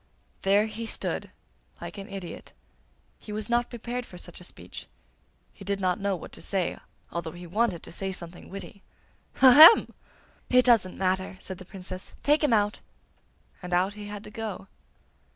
There he stood like an idiot. He was not prepared for such a speech; he did not know what to say, although he wanted to say something witty. 'Ahem!' 'It doesn't matter!' said the Princess. 'Take him out!' and out he had to go.